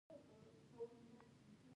کوڅې باید پاکې شي